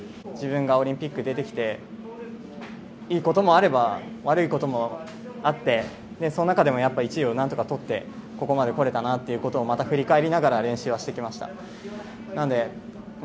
自分がオリンピックに出てきて、いいこともあれば、悪いこともあってその中で１位を何とか取って、ここまでこれたなっていうこともまた振り返りながら練習してきました。